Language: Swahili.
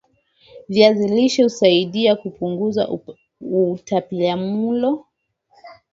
viazi lishe husaidia kupunguza utapiamlo